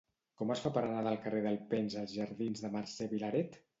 Com es fa per anar del carrer d'Alpens als jardins de Mercè Vilaret?